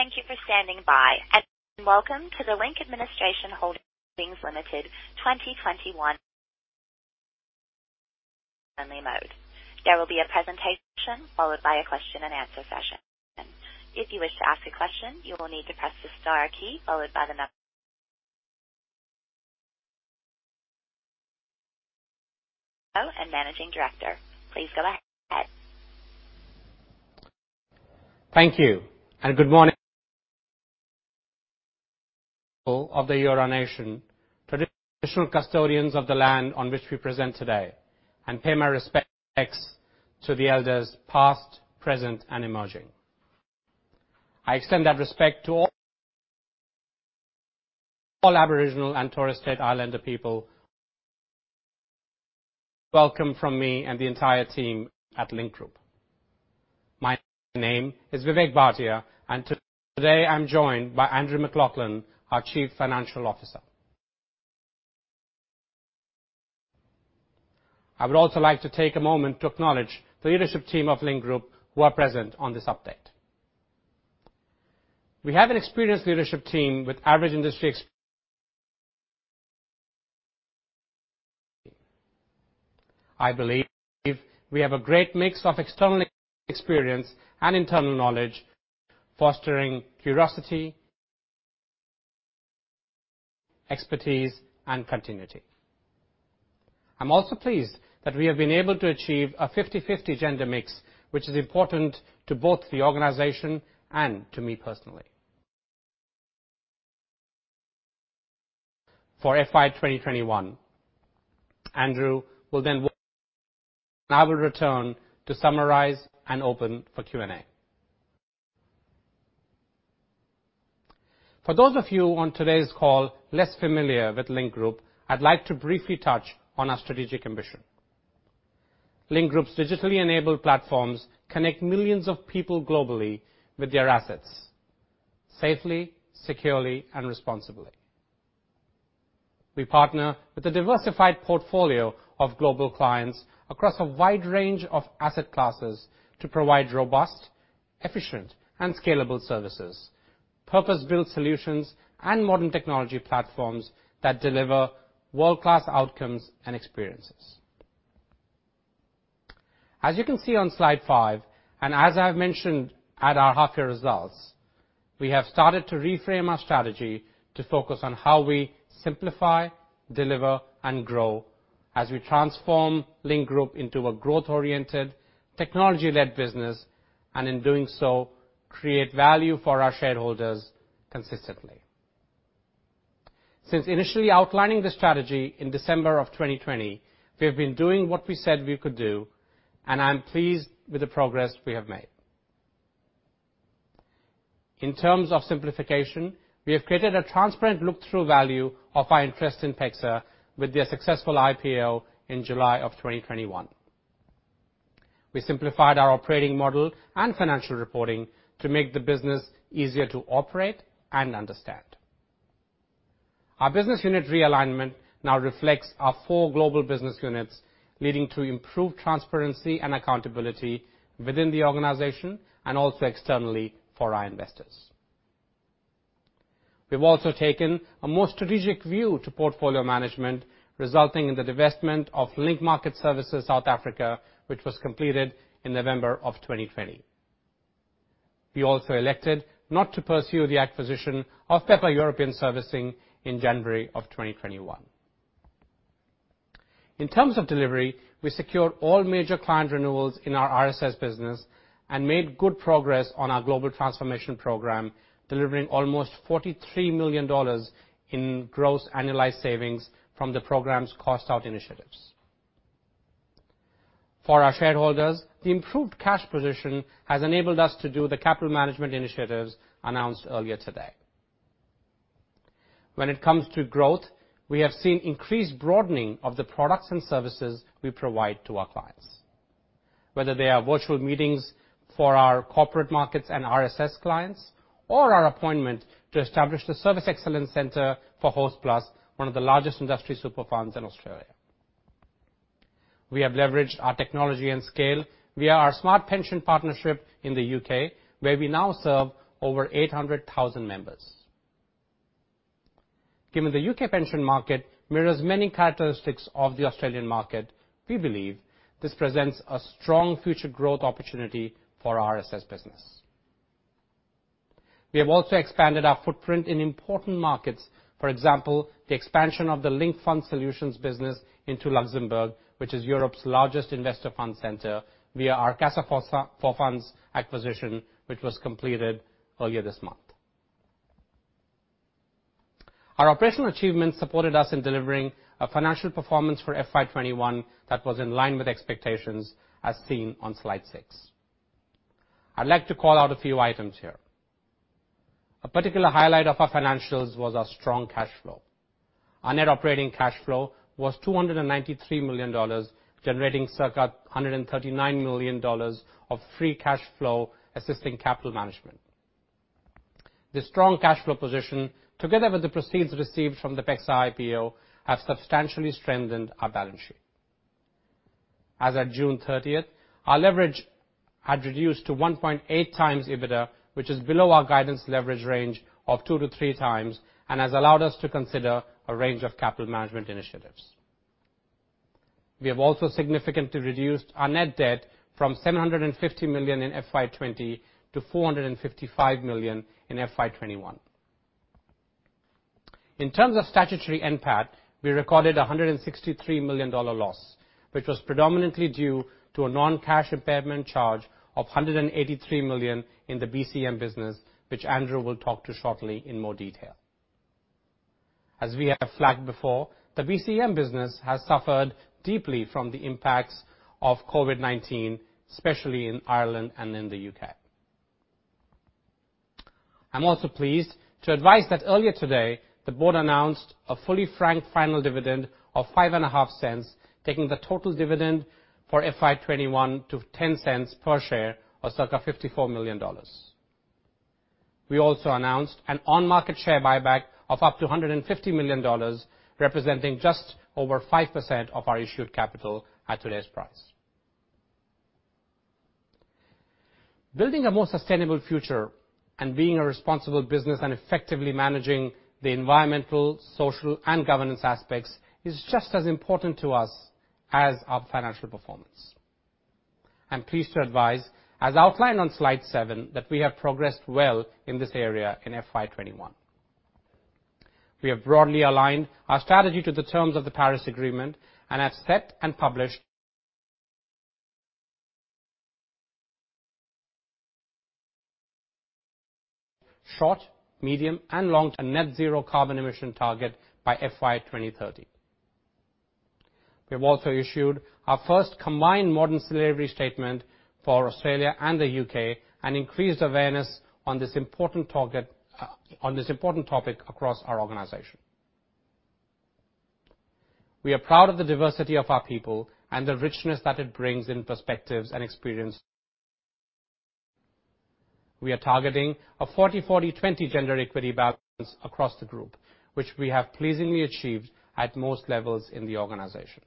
Thank you for standing by, welcome to the Link Administration Holdings Limited 2021 presentation. There will be a presentation followed by a question and answer session. CEO and Managing Director. Please go ahead. Thank you. Good morning of the Eora Nation, traditional custodians of the land on which we present today, and pay my respects to the elders past, present, and emerging. I extend that respect to all Aboriginal and Torres Strait Islander people. Welcome from me and the entire team at Link Group. My name is Vivek Bhatia, and today I'm joined by Andrew MacLachlan, our Chief Financial Officer. I would also like to take a moment to acknowledge the leadership team of Link Group who are present on this update. I believe we have a great mix of external experience and internal knowledge, fostering curiosity, expertise, and continuity. I'm also pleased that we have been able to achieve a 50/50 gender mix, which is important to both the organization and to me personally. For FY 2021, Andrew will and I will return to summarize and open for Q&A. For those of you on today's call less familiar with Link Group, I'd like to briefly touch on our strategic ambition. Link Group's digitally enabled platforms connect millions of people globally with their assets safely, securely, and responsibly. We partner with a diversified portfolio of global clients across a wide range of asset classes to provide robust, efficient, and scalable services, purpose-built solutions, and modern technology platforms that deliver world-class outcomes and experiences. As you can see on slide five, and as I have mentioned at our half-year results, we have started to reframe our strategy to focus on how we simplify, deliver, and grow as we transform Link Group into a growth-oriented, technology-led business, and in doing so, create value for our shareholders consistently. Since initially outlining the strategy in December of 2020, we have been doing what we said we could do, and I'm pleased with the progress we have made. In terms of simplification, we have created a transparent look-through value of our interest in PEXA with their successful IPO in July of 2021. We simplified our operating model and financial reporting to make the business easier to operate and understand. Our business unit realignment now reflects our four global business units, leading to improved transparency and accountability within the organization and also externally for our investors. We've also taken a more strategic view to portfolio management, resulting in the divestment of Link Market Services South Africa, which was completed in November of 2020. We also elected not to pursue the acquisition of Pepper European Servicing in January of 2021. In terms of delivery, we secured all major client renewals in our RSS business and made good progress on our global transformation program, delivering almost 43 million dollars in gross annualized savings from the program's cost out initiatives. For our shareholders, the improved cash position has enabled us to do the capital management initiatives announced earlier today. When it comes to growth, we have seen increased broadening of the products and services we provide to our clients, whether they are virtual meetings for our Corporate Markets and RSS clients or our appointment to establish the Service Excellence Center for Hostplus, one of the largest industry super funds in Australia. We have leveraged our technology and scale via our Smart Pension partnership in the U.K., where we now serve over 800,000 members. Given the U.K. pension market mirrors many characteristics of the Australian market, we believe this presents a strong future growth opportunity for our RSS business. We have also expanded our footprint in important markets. For example, the expansion of the Link Fund Solutions business into Luxembourg, which is Europe's largest investor fund center, via our Casa4Funds acquisition, which was completed earlier this month. Our operational achievements supported us in delivering a financial performance for FY 2021 that was in line with expectations as seen on slide six. I'd like to call out a few items here. A particular highlight of our financials was our strong cash flow. Our net operating cash flow was 293 million dollars, generating circa 139 million dollars of free cash flow assisting capital management. This strong cash flow position, together with the proceeds received from the PEXA IPO, have substantially strengthened our balance sheet. As at June 30th, our leverage had reduced to 1.8 times EBITDA, which is below our guidance leverage range of two to three times and has allowed us to consider a range of capital management initiatives. We have also significantly reduced our net debt from 750 million in FY 2020 to 455 million in FY 2021. In terms of statutory NPAT, we recorded 163 million dollar loss, which was predominantly due to a non-cash impairment charge of 183 million in the BCM business, which Andrew will talk to shortly in more detail. As we have flagged before, the BCM business has suffered deeply from the impacts of COVID-19, especially in Ireland and in the U.K. I'm also pleased to advise that earlier today, the board announced a fully frank final dividend of 0.055, taking the total dividend for FY 2021 to 0.10 per share, or circa 54 million dollars. We also announced an on-market share buyback of up to 150 million dollars, representing just over 5% of our issued capital at today's price. Building a more sustainable future and being a responsible business and effectively managing the environmental, social, and governance aspects is just as important to us as our financial performance. I'm pleased to advise, as outlined on slide seven, that we have progressed well in this area in FY 2021. We have broadly aligned our strategy to the terms of the Paris Agreement and have set and published short, medium, and long-term net zero carbon emission target by FY 2030. We have also issued our first combined modern slavery statement for Australia and the U.K. and increased awareness on this important topic across our organization. We are proud of the diversity of our people and the richness that it brings in perspectives and experience. We are targeting a 40/40/20 gender equity balance across the Group, which we have pleasingly achieved at most levels in the organization.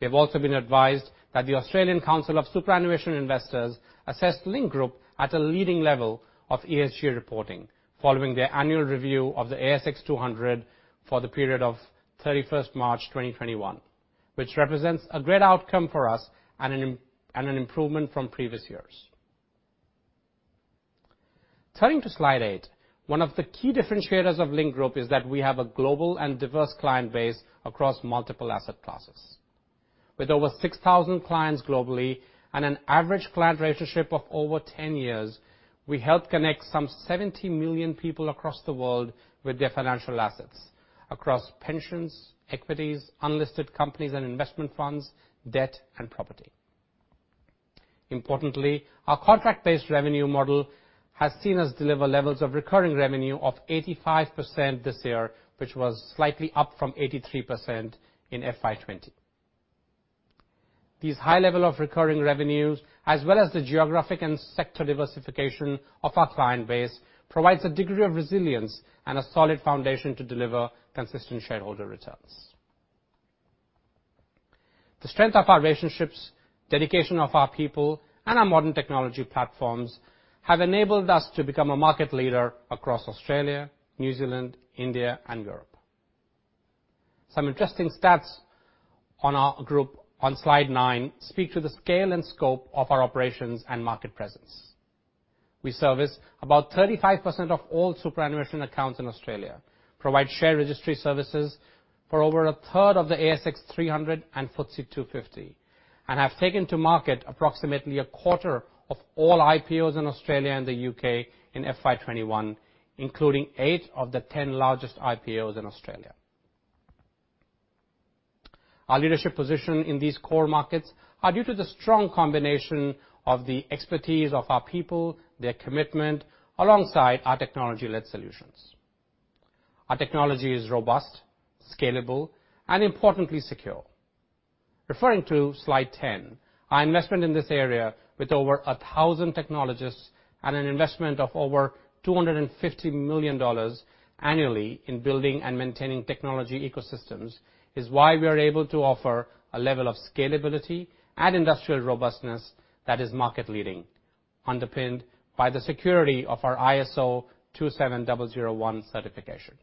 We have also been advised that the Australian Council of Superannuation Investors assessed Link Group at a leading level of ESG reporting following their annual review of the ASX 200 for the period of 31st March 2021, which represents a great outcome for us and an improvement from previous years. Turning to slide eight, one of the key differentiators of Link Group is that we have a global and diverse client base across multiple asset classes. With over 6,000 clients globally and an average client relationship of over 10 years, we help connect some 70 million people across the world with their financial assets across pensions, equities, unlisted companies and investment funds, debt, and property. Importantly, our contract-based revenue model has seen us deliver levels of recurring revenue of 85% this year, which was slightly up from 83% in FY 2020. These high level of recurring revenues, as well as the geographic and sector diversification of our client base, provides a degree of resilience and a solid foundation to deliver consistent shareholder returns. The strength of our relationships, dedication of our people, and our modern technology platforms have enabled us to become a market leader across Australia, New Zealand, India, and Europe. Some interesting stats on our group on Slide nine speak to the scale and scope of our operations and market presence. We service about 35% of all superannuation accounts in Australia, provide share registry services for over a third of the ASX 300 and FTSE 250, and have taken to market approximately a quarter of all IPOs in Australia and the U.K. in FY 2021, including eight of the ten largest IPOs in Australia. Our leadership position in these core markets are due to the strong combination of the expertise of our people, their commitment, alongside our technology-led solutions. Our technology is robust, scalable, and importantly, secure. Referring to Slide 10, our investment in this area with over 1,000 technologists and an investment of over 250 million dollars annually in building and maintaining technology ecosystems is why we are able to offer a level of scalability and industrial robustness that is market leading, underpinned by the security of our ISO 27001 certification.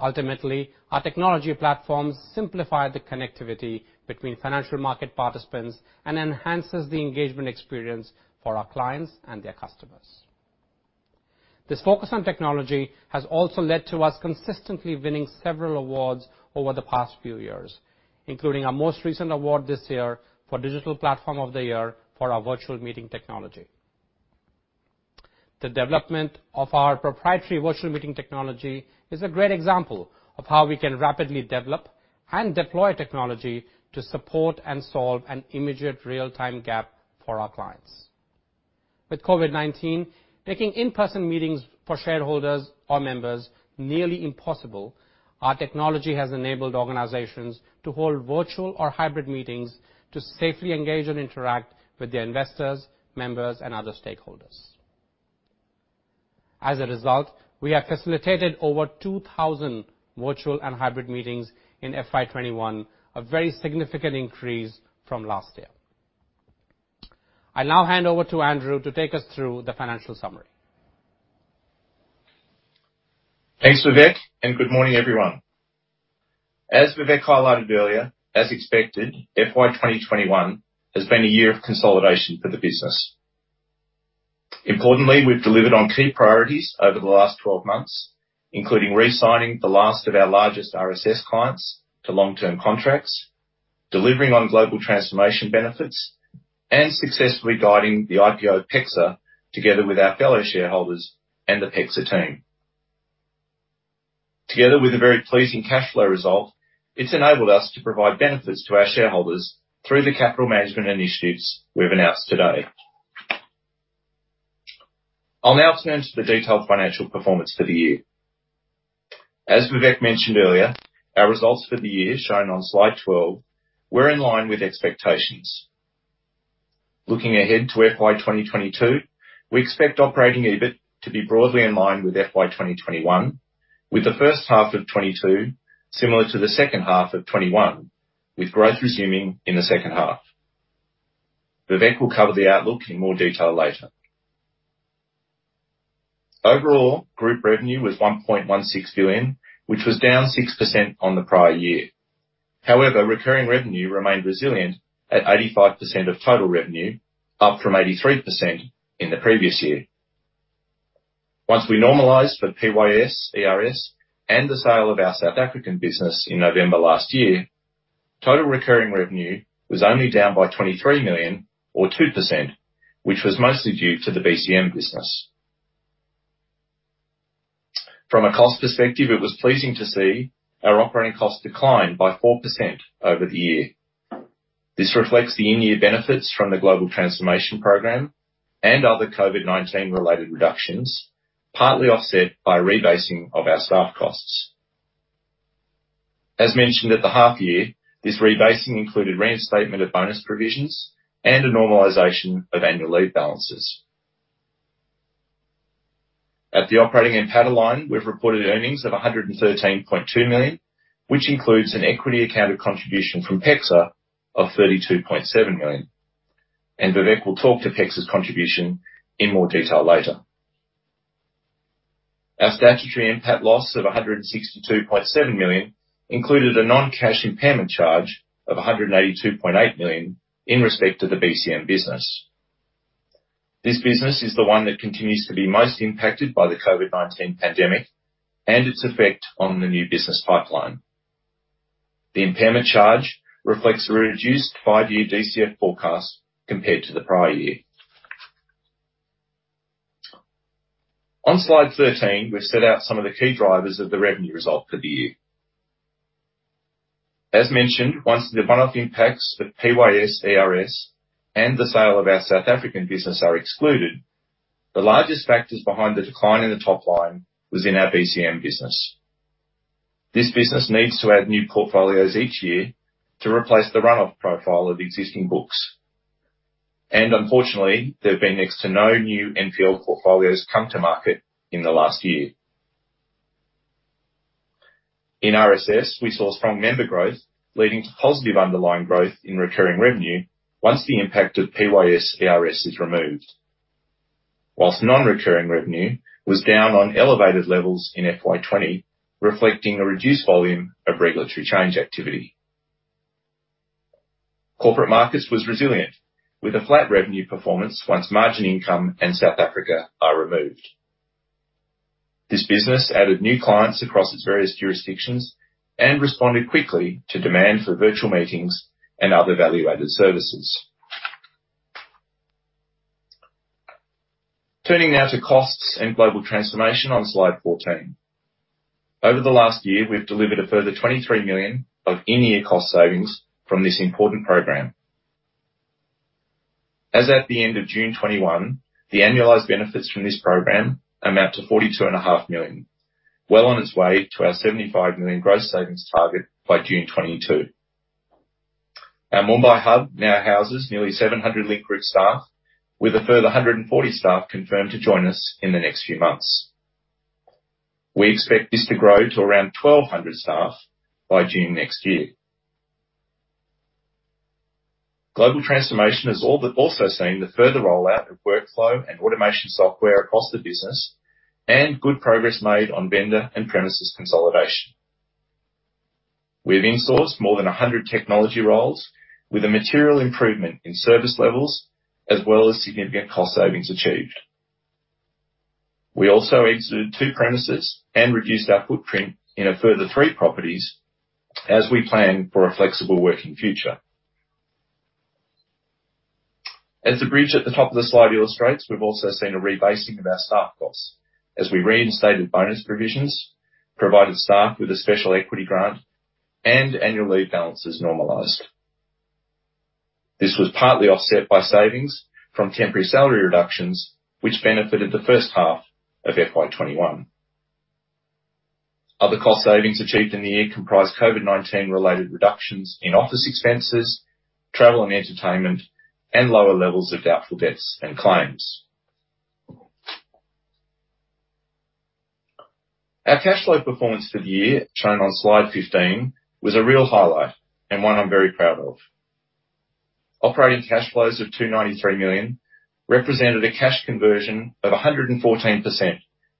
Ultimately, our technology platforms simplify the connectivity between financial market participants and enhances the engagement experience for our clients and their customers. This focus on technology has also led to us consistently winning several awards over the past few years, including our most recent award this year for Digital Platform of the Year for our virtual meeting technology. The development of our proprietary virtual meeting technology is a great example of how we can rapidly develop and deploy technology to support and solve an immediate real-time gap for our clients. With COVID-19 making in-person meetings for shareholders or members nearly impossible, our technology has enabled organizations to hold virtual or hybrid meetings to safely engage and interact with their investors, members, and other stakeholders. As a result, we have facilitated over 2,000 virtual and hybrid meetings in FY 2021, a very significant increase from last year. I now hand over to Andrew to take us through the financial summary. Thanks, Vivek, and good morning, everyone. As Vivek highlighted earlier, as expected, FY 2021 has been a year of consolidation for the business. Importantly, we've delivered on key priorities over the last 12 months, including re-signing the last of our largest RSS clients to long-term contracts, delivering on global transformation benefits, and successfully guiding the IPO of PEXA together with our fellow shareholders and the PEXA team. Together with a very pleasing cash flow result, it's enabled us to provide benefits to our shareholders through the capital management initiatives we've announced today. I'll now turn to the detailed financial performance for the year. As Vivek mentioned earlier, our results for the year shown on slide 12 were in line with expectations. Looking ahead to FY 2022, we expect operating EBIT to be broadly in line with FY 2021, with the first half of 2022 similar to the second half of 2021, with growth resuming in the second half. Vivek will cover the outlook in more detail later. Group revenue was 1.16 billion, which was down 6% on the prior year. Recurring revenue remained resilient at 85% of total revenue, up from 83% in the previous year. Once we normalize for PYS, ERS, and the sale of our South African business in November last year, total recurring revenue was only down by 23 million or 2%, which was mostly due to the BCM business. From a cost perspective, it was pleasing to see our operating costs decline by 4% over the year. This reflects the in-year benefits from the global transformation program and other COVID-19 related reductions, partly offset by rebasing of our staff costs. As mentioned at the half year, this rebasing included reinstatement of bonus provisions and a normalization of annual leave balances. At the operating NPAT line, we've reported earnings of 113.2 million, which includes an equity account of contribution from PEXA of 32.7 million. Vivek will talk to PEXA's contribution in more detail later. Our statutory NPAT loss of 162.7 million included a non-cash impairment charge of 182.8 million in respect to the BCM business. This business is the one that continues to be most impacted by the COVID-19 pandemic and its effect on the new business pipeline. The impairment charge reflects a reduced five year DCF forecast compared to the prior year. On slide 13, we've set out some of the key drivers of the revenue result for the year. As mentioned, once the one-off impacts for PYS, ERS, and the sale of our South African business are excluded, the largest factors behind the decline in the top line was in our BCM business. This business needs to add new portfolios each year to replace the run-off profile of existing books. Unfortunately, there have been next to no new NPL portfolios come to market in the last year. In RSS, we saw strong member growth leading to positive underlying growth in recurring revenue once the impact of PYS, ERS is removed. Non-recurring revenue was down on elevated levels in FY 2020, reflecting a reduced volume of regulatory change activity. Corporate Markets was resilient with a flat revenue performance once margin income and South Africa are removed. This business added new clients across its various jurisdictions and responded quickly to demand for virtual meetings and other value-added services. Turning now to costs and global transformation on slide 14. Over the last year, we've delivered a further 23 million of in-year cost savings from this important program. As at the end of June 2021, the annualized benefits from this program amount to 42.5 million. Well on its way to our 75 million gross savings target by June 2022. Our Mumbai hub now houses nearly 700 Link Group staff, with a further 140 staff confirmed to join us in the next few months. We expect this to grow to around 1,200 staff by June next year. Global transformation has also seen the further rollout of workflow and automation software across the business and good progress made on vendor and premises consolidation. We have insourced more than 100 technology roles with a material improvement in service levels, as well as significant cost savings achieved. We also exited two premises and reduced our footprint in a further three properties as we plan for a flexible working future. As the bridge at the top of the slide illustrates, we've also seen a rebasing of our staff costs as we reinstated bonus provisions, provided staff with a special equity grant, and annual leave balances normalized. This was partly offset by savings from temporary salary reductions, which benefited the first half of FY 2021. Other cost savings achieved in the year comprise COVID-19 related reductions in office expenses, travel and entertainment, and lower levels of doubtful debts and claims. Our cash flow performance for the year, shown on slide 15, was a real highlight and one I'm very proud of. Operating cash flows of 293 million represented a cash conversion of 114%,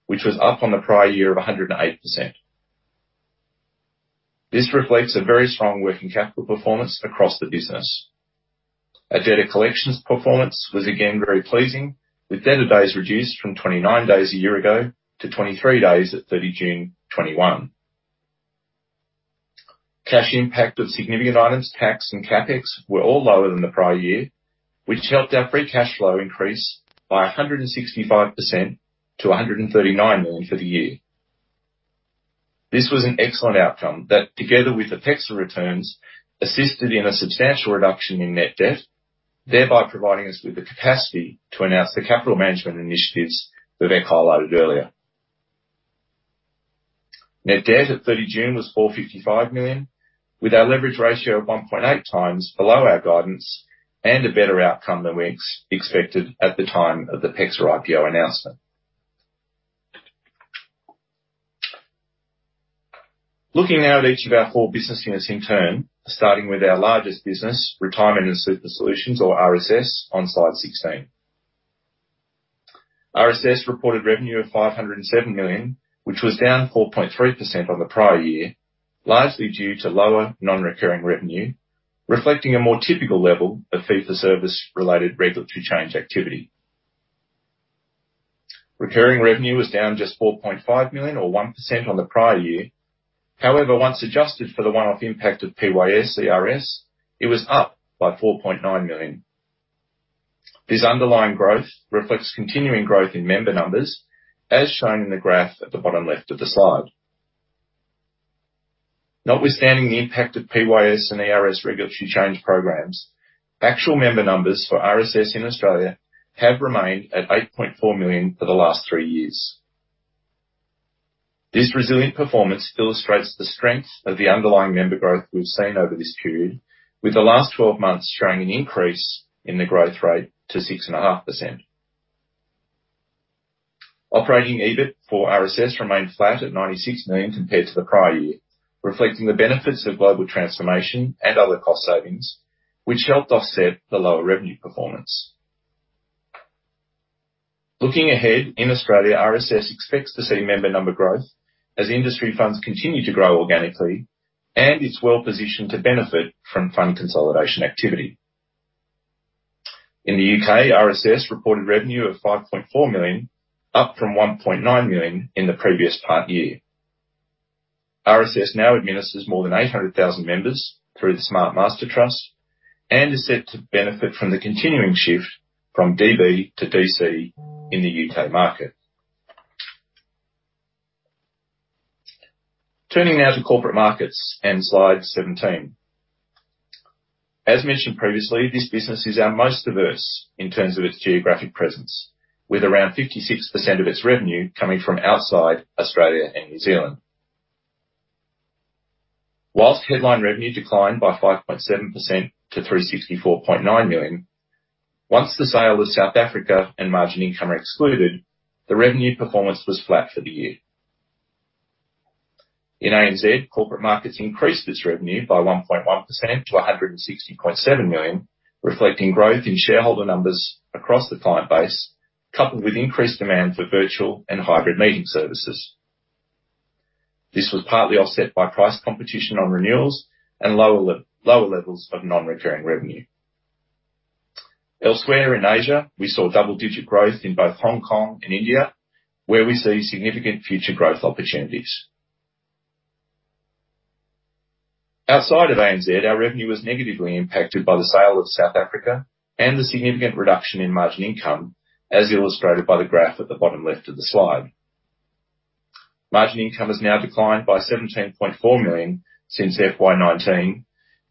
which was up from the prior year of 108%. This reflects a very strong working capital performance across the business. Our debt collections performance was again very pleasing, with debtor days reduced from 29 days a year ago to 23 days at 30 June 2021. Cash impact of significant items, tax and CapEx were all lower than the prior year, which helped our free cash flow increase by 165% to 139 million for the year. This was an excellent outcome that, together with the PEXA returns, assisted in a substantial reduction in net debt, thereby providing us with the capacity to announce the capital management initiatives that I highlighted earlier. Net debt at 30 June was 455 million, with our leverage ratio of 1.8 times below our guidance and a better outcome than we expected at the time of the PEXA IPO announcement. Looking now at each of our four business units in turn, starting with our largest business, Retirement and Superannuation Solutions, or RSS, on slide 16. RSS reported revenue of 507 million, which was down 4.3% on the prior year, largely due to lower non-recurring revenue, reflecting a more typical level of fee-for-service-related regulatory change activity. Recurring revenue was down just 4.5 million, or 1%, on the prior year. However, once adjusted for the one-off impact of PYS/ERS, it was up by 4.9 million. This underlying growth reflects continuing growth in member numbers, as shown in the graph at the bottom left of the slide. Notwithstanding the impact of PYS and ERS regulatory change programs, actual member numbers for RSS in Australia have remained at 8.4 million for the last three years. This resilient performance illustrates the strength of the underlying member growth we've seen over this period, with the last 12 months showing an increase in the growth rate to 6.5%. Operating EBIT for RSS remained flat at 96 million compared to the prior year, reflecting the benefits of global transformation and other cost savings, which helped offset the lower revenue performance. Looking ahead, in Australia, RSS expects to see member number growth as industry funds continue to grow organically and is well-positioned to benefit from fund consolidation activity. In the U.K., RSS reported revenue of 5.4 million, up from 1.9 million in the previous part year. RSS now administers more than 800,000 members through the Smart Pension Master Trust and is set to benefit from the continuing shift from DB to DC in the U.K. market. Turning now to Corporate Markets and slide 17. As mentioned previously, this business is our most diverse in terms of its geographic presence, with around 56% of its revenue coming from outside Australia and New Zealand. While headline revenue declined by 5.7% to 364.9 million, once the sale of South Africa and margin income are excluded, the revenue performance was flat for the year. In ANZ, Corporate Markets increased its revenue by 1.1% to 160.7 million, reflecting growth in shareholder numbers across the client base, coupled with increased demand for virtual and hybrid meeting services. This was partly offset by price competition on renewals and lower levels of non-recurring revenue. Elsewhere in Asia, we saw double-digit growth in both Hong Kong and India, where we see significant future growth opportunities. Outside of ANZ, our revenue was negatively impacted by the sale of South Africa and the significant reduction in margin income, as illustrated by the graph at the bottom left of the slide. Margin income has now declined by 17.4 million since FY 2019,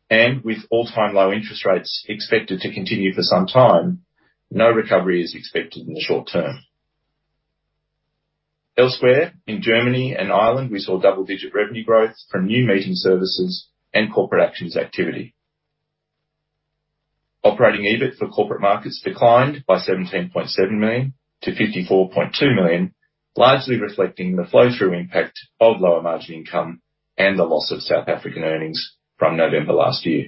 and with all-time low interest rates expected to continue for some time, no recovery is expected in the short term. Elsewhere, in Germany and Ireland, we saw double-digit revenue growth from new meeting services and corporate actions activity. Operating EBIT for Corporate Markets declined by 17.7 million-54.2 million, largely reflecting the flow-through impact of lower margin income and the loss of South African earnings from November last year.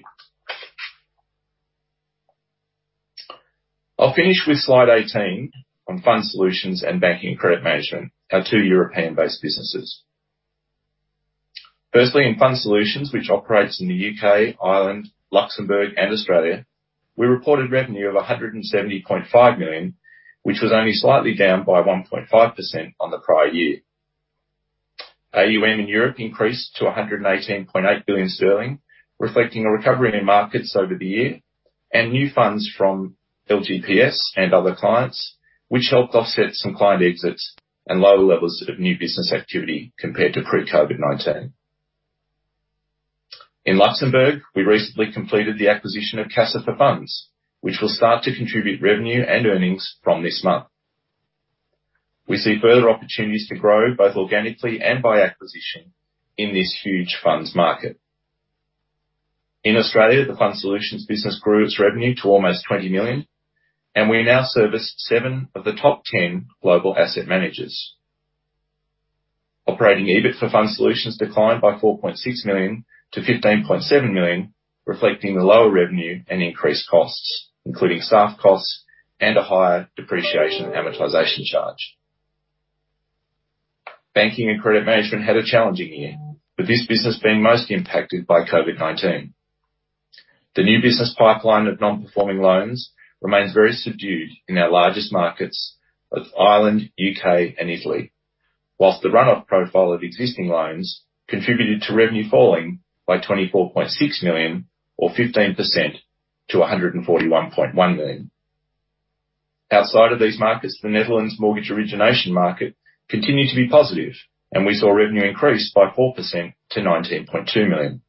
I'll finish with slide 18 on Fund Solutions and Banking and Credit Management, our two European-based businesses. Firstly, in Fund Solutions, which operates in the U.K., Ireland, Luxembourg, and Australia, we reported revenue of 170.5 million, which was only slightly down by 1.5% on the prior year. AUM in Europe increased to EUR 118.8 billion, reflecting a recovery in markets over the year and new funds from LGPS and other clients, which helped offset some client exits and lower levels of new business activity compared to pre-COVID-19. In Luxembourg, we recently completed the acquisition of Casa4Funds, which will start to contribute revenue and earnings from this month. We see further opportunities to grow, both organically and by acquisition, in this huge funds market. In Australia, the Fund Solutions business grew its revenue to almost 20 million, and we now service seven of the top 10 global asset managers. Operating EBIT for Fund Solutions declined by 4.6 million-15.7 million, reflecting the lower revenue and increased costs, including staff costs and a higher depreciation amortization charge. Banking and Credit Management had a challenging year, with this business being mostly impacted by COVID-19. The new business pipeline of non-performing loans remains very subdued in our largest markets of Ireland, U.K., and Italy, whilst the run-off profile of existing loans contributed to revenue falling by 24.6 million or 15% to 141.1 million. Outside of these markets, the Netherlands mortgage origination market continued to be positive, and we saw revenue increase by 4% to 19.2 million.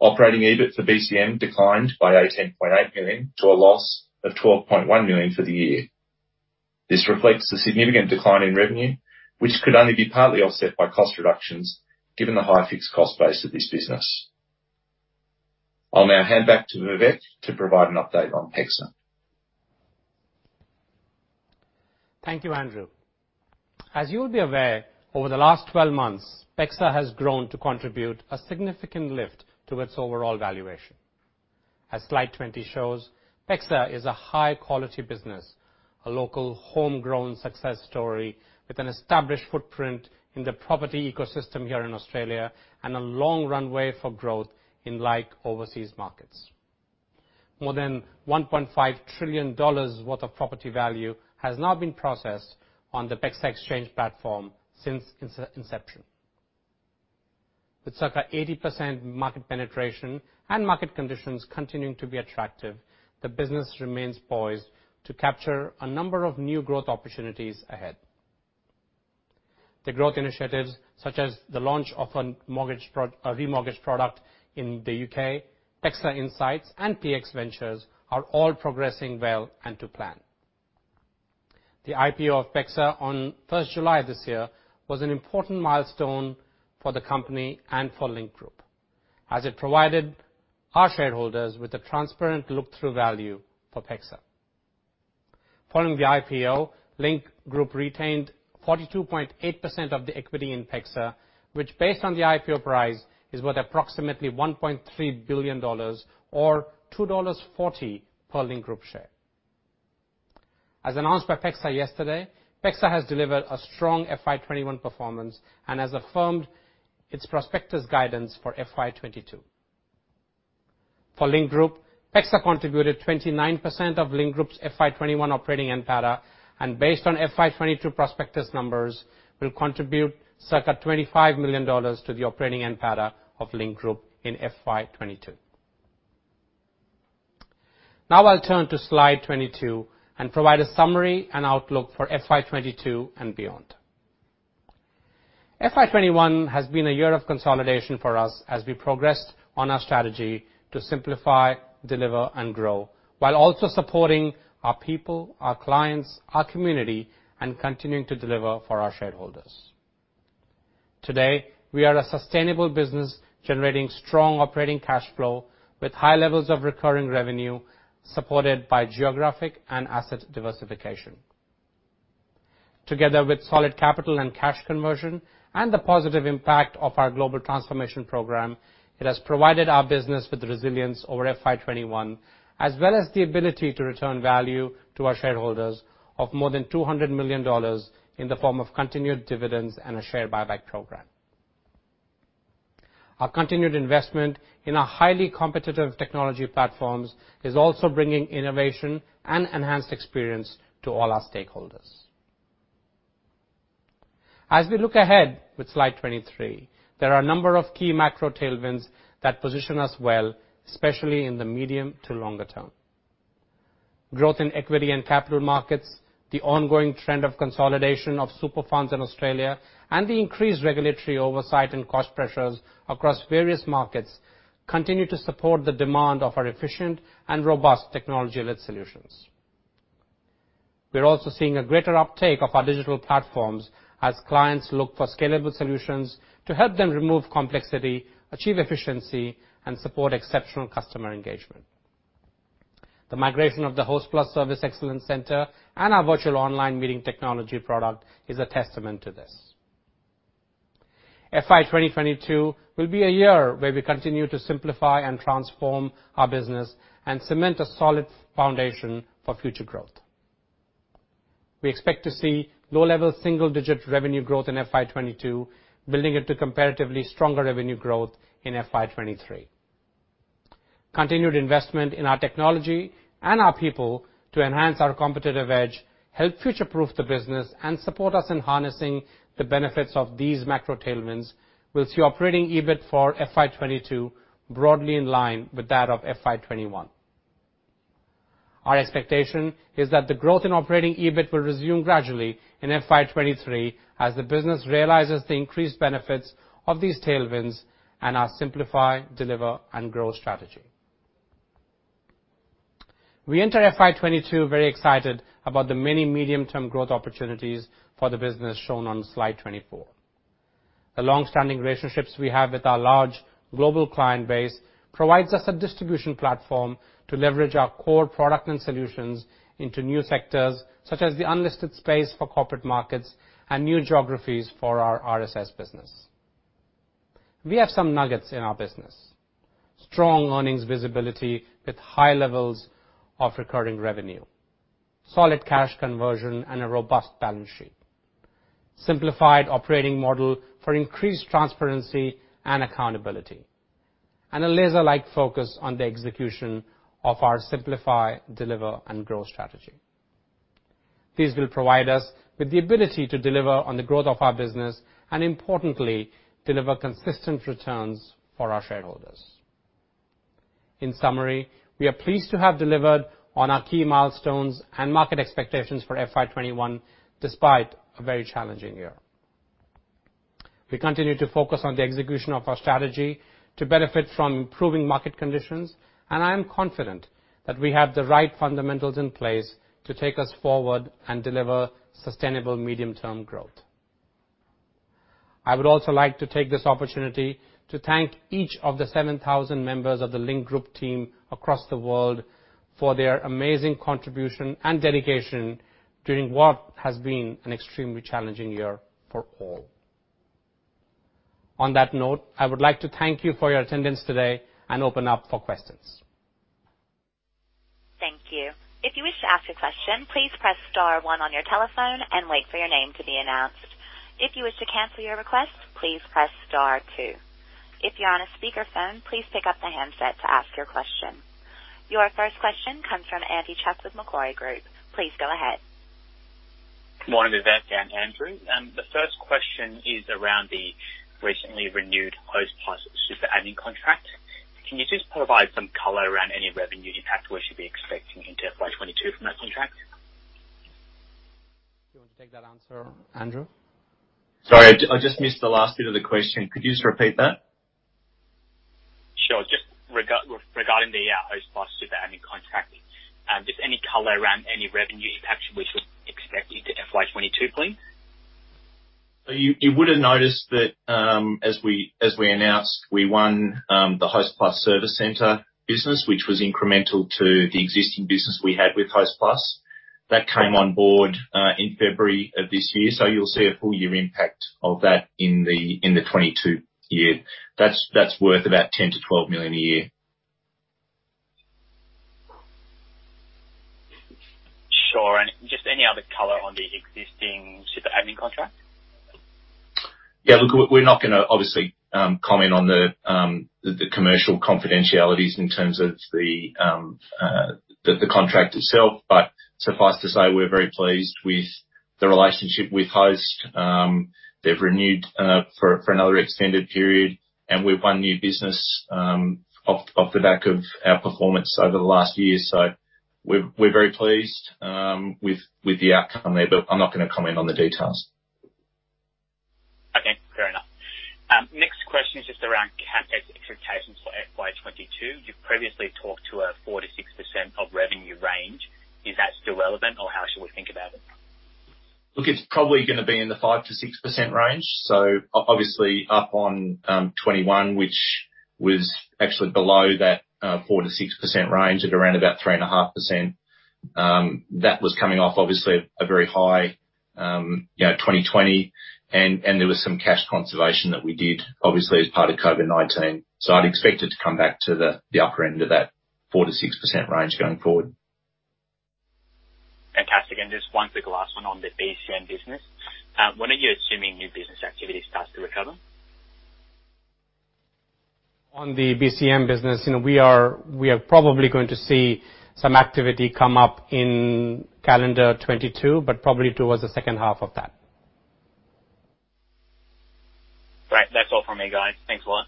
Operating EBIT for BCM declined by 18.8 million to a loss of 12.1 million for the year. This reflects the significant decline in revenue, which could only be partly offset by cost reductions given the high fixed cost base of this business. I'll now hand back to Vivek to provide an update on PEXA. Thank you, Andrew. As you'll be aware, over the last 12 months, PEXA has grown to contribute a significant lift to its overall valuation. As slide 20 shows, PEXA is a high-quality business, a local homegrown success story with an established footprint in the property ecosystem here in Australia and a long runway for growth in like overseas markets. More than 1.5 trillion dollars worth of property value has now been processed on the PEXA exchange platform since inception. With circa 80% market penetration and market conditions continuing to be attractive, the business remains poised to capture a number of new growth opportunities ahead. The growth initiatives, such as the launch of a remortgage product in the U.K., PEXA Insights, and PX Ventures, are all progressing well and to plan. The IPO of PEXA on 1st July this year was an important milestone for the company and for Link Group, as it provided our shareholders with a transparent look-through value for PEXA. Following the IPO, Link Group retained 42.8% of the equity in PEXA, which, based on the IPO price, is worth approximately 1.3 billion dollars or 2.40 dollars per Link Group share. As announced by PEXA yesterday, PEXA has delivered a strong FY 2021 performance and has affirmed its prospectus guidance for FY 2022. For Link Group, PEXA contributed 29% of Link Group's FY 2021 operating NPATA, and based on FY 2022 prospectus numbers, will contribute circa 25 million dollars to the operating NPATA of Link Group in FY 2022. Now I'll turn to slide 22 and provide a summary and outlook for FY 2022 and beyond. FY 2021 has been a year of consolidation for us as we progressed on our strategy to simplify, deliver, and grow while also supporting our people, our clients, our community, and continuing to deliver for our shareholders. Today, we are a sustainable business generating strong operating cash flow with high levels of recurring revenue, supported by geographic and asset diversification. Together with solid capital and cash conversion and the positive impact of our global transformation program, it has provided our business with resilience over FY 2021, as well as the ability to return value to our shareholders of more than 200 million dollars in the form of continued dividends and a share buyback program. Our continued investment in our highly competitive technology platforms is also bringing innovation and enhanced experience to all our stakeholders. As we look ahead with slide 23, there are a number of key macro tailwinds that position us well, especially in the medium to longer term. Growth in equity and capital markets, the ongoing trend of consolidation of super funds in Australia, and the increased regulatory oversight and cost pressures across various markets continue to support the demand of our efficient and robust technology-led solutions. We're also seeing a greater uptake of our digital platforms as clients look for scalable solutions to help them remove complexity, achieve efficiency, and support exceptional customer engagement. The migration of the Hostplus Service Excellence Center and our virtual online meeting technology product is a testament to this. FY 2022 will be a year where we continue to simplify and transform our business and cement a solid foundation for future growth. We expect to see low-level single-digit revenue growth in FY 2022, building it to comparatively stronger revenue growth in FY 2023. Continued investment in our technology and our people to enhance our competitive edge, help future-proof the business, and support us in harnessing the benefits of these macro tailwinds will see operating EBIT for FY 2022 broadly in line with that of FY 2021. Our expectation is that the growth in operating EBIT will resume gradually in FY 2023 as the business realizes the increased benefits of these tailwinds and our Simplify, Deliver, and Grow strategy. We enter FY 2022 very excited about the many medium-term growth opportunities for the business shown on slide 24. The longstanding relationships we have with our large global client base provides us a distribution platform to leverage our core product and solutions into new sectors such as the unlisted space for Corporate Markets and new geographies for our RSS business. We have some nuggets in our business. Strong earnings visibility with high levels of recurring revenue, solid cash conversion and a robust balance sheet, simplified operating model for increased transparency and accountability, and a laser-like focus on the execution of our simplify, deliver, and grow strategy. These will provide us with the ability to deliver on the growth of our business, and importantly, deliver consistent returns for our shareholders. In summary, we are pleased to have delivered on our key milestones and market expectations for FY 2021, despite a very challenging year. I am confident that we have the right fundamentals in place to take us forward and deliver sustainable medium-term growth. I would also like to take this opportunity to thank each of the 7,000 members of the Link Group team across the world for their amazing contribution and dedication during what has been an extremely challenging year for all. On that note, I would like to thank you for your attendance today and open up for questions. Thank you. If you wish to ask a question, please press star one on your telephone and wait for your name to be announced. If you wish to cancel your request, please press star two. If you're on a speaker phone, please pick up the handset to ask your question. Your first question comes from Andy Chuk with Macquarie Group. Please go ahead. Morning, Vivek and Andrew. The first question is around the recently renewed Hostplus super admin contract. Can you just provide some color around any revenue impact we should be expecting into FY 2022 from that contract? Do you want to take that answer, Andrew? Sorry, I just missed the last bit of the question. Could you just repeat that? Sure. Just regarding the Hostplus super admin contract, just any color around any revenue impact which we should expect into FY 2022, please. You would have noticed that, as we announced, we won the Hostplus Service Center business, which was incremental to the existing business we had with Hostplus. That came on board in February of this year. You'll see a full year impact of that in the 2022 year. That's worth about 10 million-12 million a year. Sure. Just any other color on the existing super admin contract? Look, we're not gonna, obviously, comment on the commercial confidentialities in terms of the contract itself. Suffice to say, we're very pleased with the relationship with Host. They've renewed for another extended period, and we've won new business off the back of our performance over the last year. We're very pleased with the outcome there. I'm not gonna comment on the details. Okay, fair enough. Next question is just around CapEx expectations for FY 2022. You've previously talked to a 4%-6% of revenue range. Is that still relevant or how should we think about it? It's probably going to be in the 5%-6% range. Obviously up on 2021, which was actually below that 4%-6% range at around about 3.5%. That was coming off obviously a very high 2020. There was some cash conservation that we did obviously as part of COVID-19. I'd expect it to come back to the upper end of that 4%-6% range going forward. Fantastic. Just one quick last one on the BCM business. When are you assuming new business activities starts to recover? On the BCM business, we are probably going to see some activity come up in calendar 2022, probably towards the second half of that. Great. That's all from me, guys. Thanks a lot.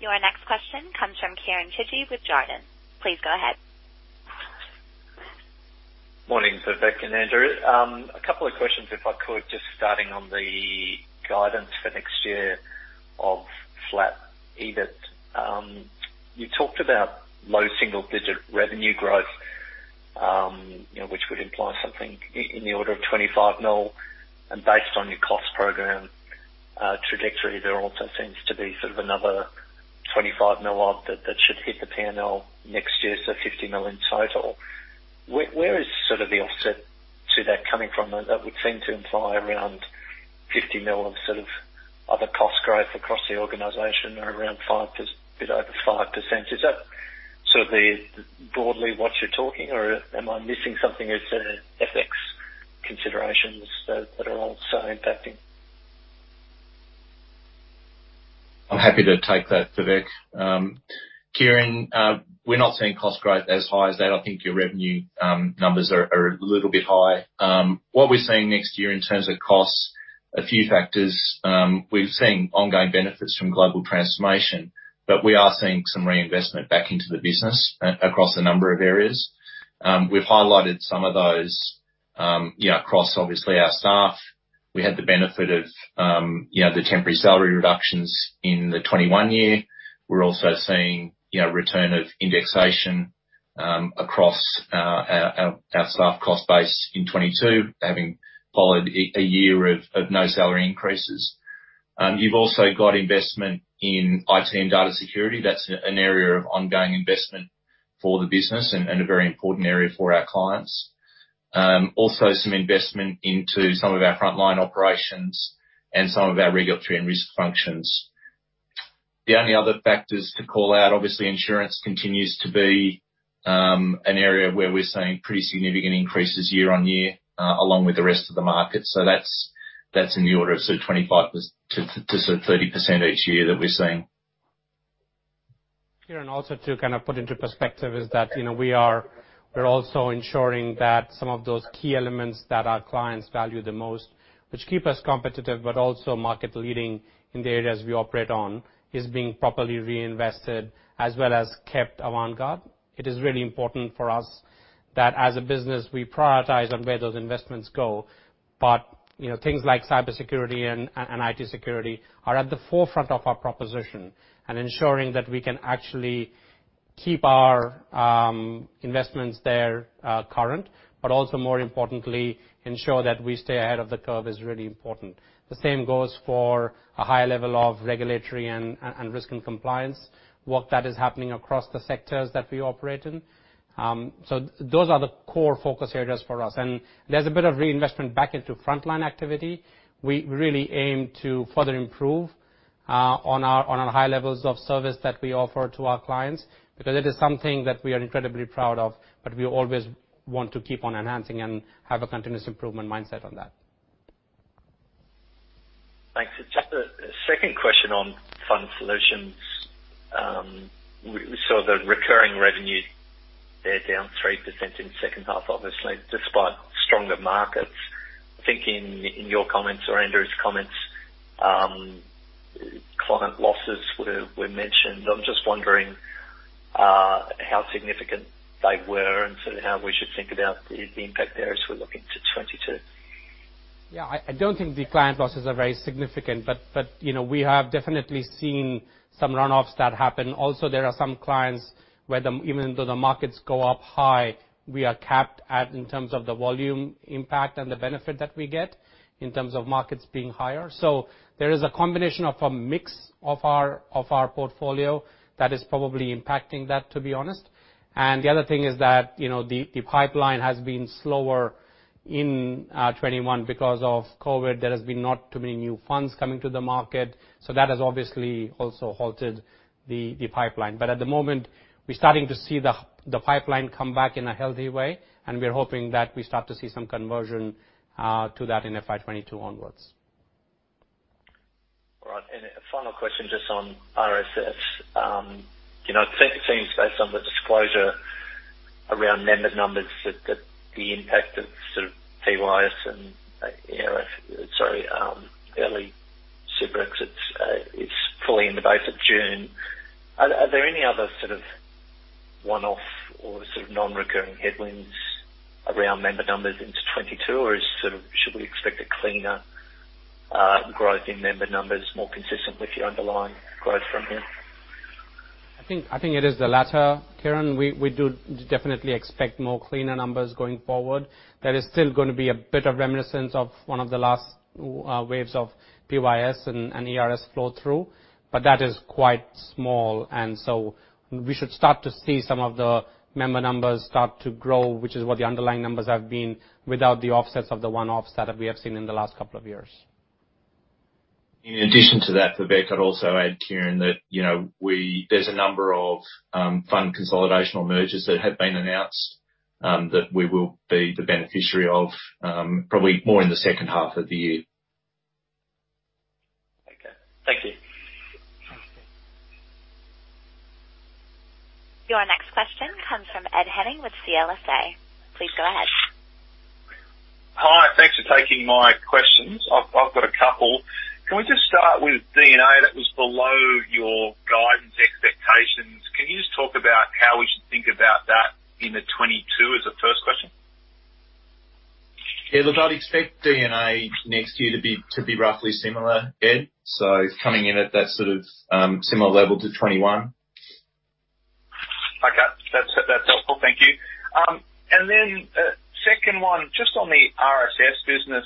Your next question comes from Kieren Chidgey with Jarden. Please go ahead. Morning, Vivek and Andrew. A couple of questions, if I could, just starting on the guidance for next year of flat EBIT. You talked about low single digit revenue growth, which would imply something in the order of 25 million and based on your cost program trajectory, there also seems to be sort of another 25 million that should hit the P&L next year, so 50 million in total. Where is sort of the offset to that coming from? That would seem to imply around 50 million of sort of other cost growth across the organization or around a bit over 5%. Is that sort of broadly what you're talking or am I missing something? Is there FX considerations that are also impacting? I'm happy to take that, Vivek. Kieren, we're not seeing cost growth as high as that. I think your revenue numbers are a little bit high. What we're seeing next year in terms of costs. A few factors. We're seeing ongoing benefits from global transformation. We are seeing some reinvestment back into the business across a number of areas. We've highlighted some of those, across obviously our staff. We had the benefit of the temporary salary reductions in the 2021 year. We're also seeing return of indexation across our staff cost base in 2022, having followed a year of no salary increases. You've also got investment in IT and data security. That's an area of ongoing investment for the business and a very important area for our clients. Some investment into some of our frontline operations and some of our regulatory and risk functions. The only other factors to call out, obviously insurance continues to be an area where we're seeing pretty significant increases year-on-year, along with the rest of the market. That's in the order of 25%-30% each year that we're seeing. Kieren, also to kind of put into perspective is that, we're also ensuring that some of those key elements that our clients value the most, which keep us competitive, but also market leading in the areas we operate on, is being properly reinvested as well as kept avant-garde. It is really important for us that as a business, we prioritize on where those investments go. Things like cybersecurity and IT security are at the forefront of our proposition. Ensuring that we can actually keep our investments there current, but also more importantly, ensure that we stay ahead of the curve is really important. The same goes for a high level of regulatory and risk and compliance, work that is happening across the sectors that we operate in. Those are the core focus areas for us, and there's a bit of reinvestment back into frontline activity. We really aim to further improve on our high levels of service that we offer to our clients. It is something that we are incredibly proud of, but we always want to keep on enhancing and have a continuous improvement mindset on that. Thanks. Just a second question on Fund Solutions. We saw the recurring revenue there down 3% in the second half, obviously, despite stronger markets. I think in your comments or Andrew's comments, client losses were mentioned. I am just wondering how significant they were and sort of how we should think about the impact there as we look into 2022. Yeah, I don't think the client losses are very significant. We have definitely seen some runoffs that happen. Also, there are some clients where even though the markets go up high, we are capped at in terms of the volume impact and the benefit that we get in terms of markets being higher. There is a combination of a mix of our portfolio that is probably impacting that, to be honest. The other thing is that, the pipeline has been slower in 2021 because of COVID. There has been not too many new funds coming to the market, so that has obviously also halted the pipeline. At the moment, we're starting to see the pipeline come back in a healthy way, and we're hoping that we start to see some conversion to that in FY 2022 onwards. All right. A final question just on RSS. It seems based on the disclosure around member numbers that the impact of PYS and early super exits is fully in the base of June. Are there any other sort of one-off or sort of non-recurring headwinds around member numbers into 2022, or should we expect a cleaner growth in member numbers more consistent with the underlying growth from here? I think it is the latter, Kieren. We do definitely expect more cleaner numbers going forward. There is still going to be a bit of reminiscence of one of the last waves of PYS and ERS flow-through, but that is quite small. We should start to see some of the member numbers start to grow, which is what the underlying numbers have been without the offsets of the one-offs that we have seen in the last two years. In addition to that, Vivek, I'd also add, Kieren, that there's a number of fund consolidational mergers that have been announced, that we will be the beneficiary of probably more in the second half of the year. Okay. Thank you. Thanks. Your next question comes from Ed Henning with CLSA. Please go ahead. Hi. Thanks for taking my questions. I've got a couple. Can we just start with D&A that was below your guidance expectations. Can you just talk about how we should think about that into 2022 as a first question? Look, I'd expect D&A next year to be roughly similar, Ed, so coming in at that sort of similar level to 2021. Okay. That's helpful. Thank you. Second one, just on the RSS business.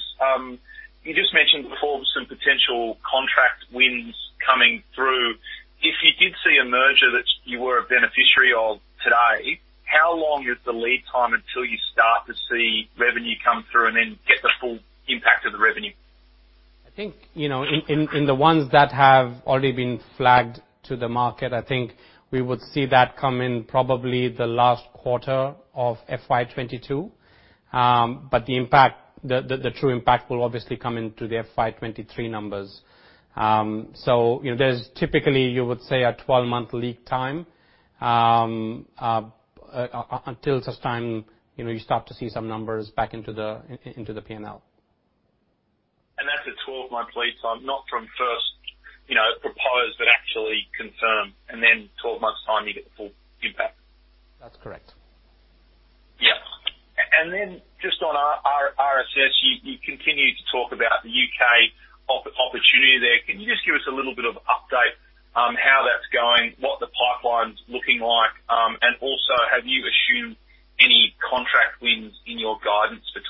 You just mentioned before some potential contract wins coming through. If you did see a merger that you were a beneficiary of today, how long is the lead time until you start to see revenue come through and then get the full impact of the revenue? I think in the ones that have already been flagged to the market, I think we would see that come in probably the last quarter of FY 2022. The true impact will obviously come into the FY 2023 numbers. There's typically you would say a 12 month lead time. Until such time you start to see some numbers back into the P&L. That's a 12 month lead time, not from first propose, but actually confirmed, and then 12 months' time you get the full impact? That's correct. Yeah. Just on RSS, you continue to talk about the U.K. opportunity there. Can you just give us a little bit of update on how that's going, what the pipeline's looking like, and also, have you assumed any contract wins in your guidance for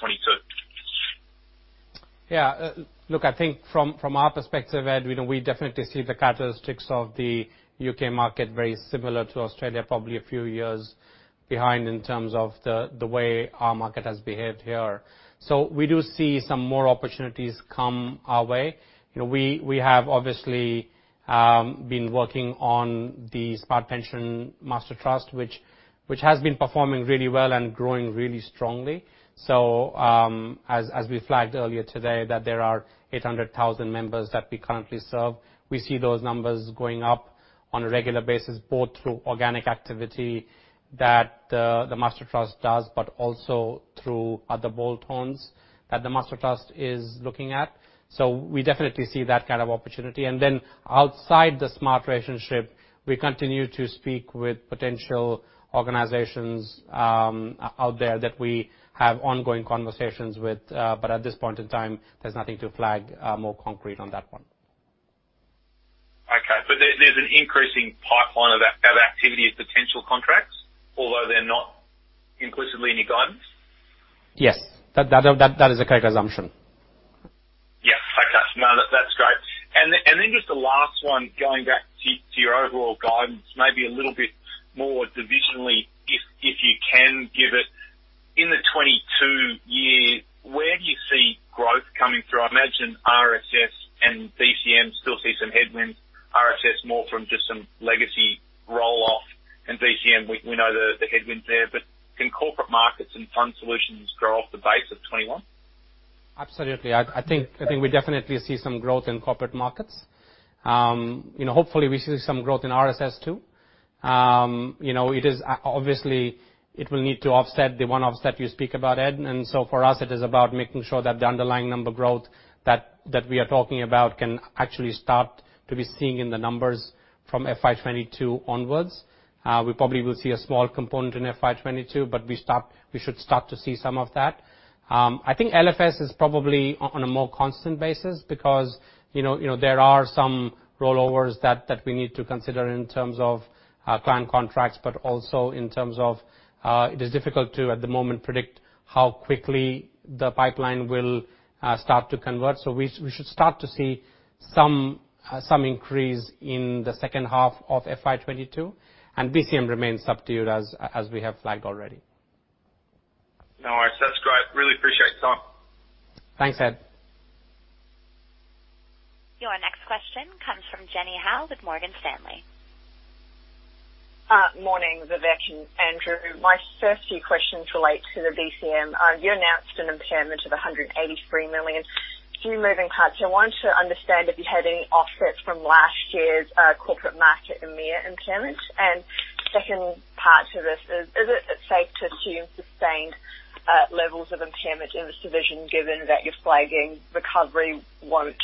2022? Yeah. Look, I think from our perspective, Ed, we definitely see the characteristics of the U.K. market very similar to Australia, probably a few years behind in terms of the way our market has behaved here. We do see some more opportunities come our way. We have obviously been working on the Smart Pension Master Trust, which has been performing really well and growing really strongly. As we flagged earlier today, that there are 800,000 members that we currently serve. We see those numbers going up on a regular basis, both through organic activity that the Master Trust does, but also through other bolt-ons that the Master Trust is looking at. We definitely see that kind of opportunity. Outside the Smart relationship, we continue to speak with potential organizations out there that we have ongoing conversations with. At this point in time, there's nothing to flag more concrete on that one. Okay. There's an increasing pipeline of activity of potential contracts, although they're not inclusively in your guidance? Yes. That is a correct assumption. Yeah. Okay. No, that's great. Then just the last one, going back to your overall guidance, maybe a little bit more divisionally if you can give it. In the 2022 year, where do you see growth coming through? I imagine RSS and BCM still see some headwinds, RSS more from just some legacy roll-off, and BCM, we know the headwinds there. Can Corporate Markets and Fund Solutions grow off the base of 2021? Absolutely. I think we definitely see some growth in Corporate Markets. Hopefully we see some growth in RSS too. Obviously, it will need to offset the one offset you speak about, Ed. For us, it is about making sure that the underlying number growth that we are talking about can actually start to be seen in the numbers from FY 2022 onwards. We probably will see a small component in FY 2022, but we should start to see some of that. I think LFS is probably on a more constant basis because there are some rollovers that we need to consider in terms of client contracts, but also in terms of, it is difficult to, at the moment, predict how quickly the pipeline will start to convert. We should start to see some increase in the second half of FY 2022, and BCM remains subdued as we have flagged already. No, that's great. Really appreciate the time. Thanks, Ed. Your next question comes from Jenny Hau with Morgan Stanley. Morning, Vivek and Andrew. My first few questions relate to the BCM. You announced an impairment of 183 million. Few moving parts. I want to understand if you had any offsets from last year's Corporate Markets and EMEA impairment. Second part to this is: Is it safe to assume sustained levels of impairment in this division given that you're flagging recovery won't